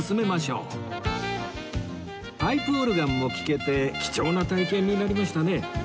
パイプオルガンも聴けて貴重な体験になりましたね